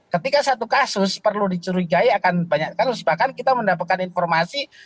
ketika satu kasus perlu dicurigai akan banyak kasus bahkan kita mendapatkan informasi